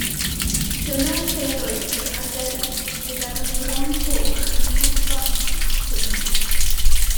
Dyna lle roedd yr aderyn gyda'r fron goch yn hedfan atyn nhw